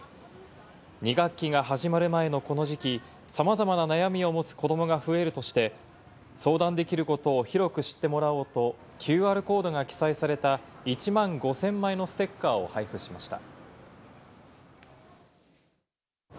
２学期が始まる前のこの時期、さまざまな悩みを持つ子どもが増えるとして、相談できることを広く知ってもらおうと、ＱＲコードが記載された１万５０００枚のステッカーを配布しました。